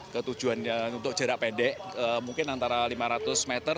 ketujuan untuk jarak pendek mungkin antara lima ratus meter